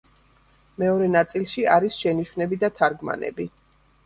მეორე ნაწილში არის შენიშვნები და თარგმანები.